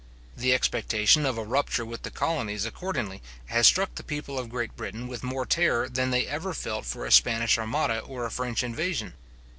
The expectation of a rupture with the colonies, accordingly, has struck the people of Great Britain with more terror than they ever felt for a Spanish armada, or a French invasion.